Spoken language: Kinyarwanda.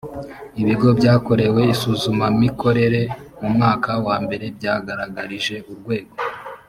ibigo byakorewe isuzumamikorere mu mwaka wambere byagaragarije urwego